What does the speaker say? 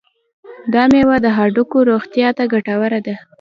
دا میوه د هډوکو روغتیا ته ګټوره ده.